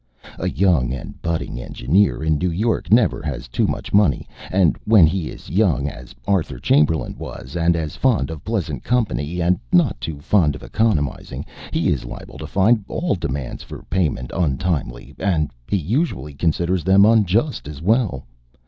A young and budding engineer in New York never has too much money, and when he is young as Arthur Chamberlain was, and as fond of pleasant company, and not too fond of economizing, he is liable to find all demands for payment untimely and he usually considers them unjust as well.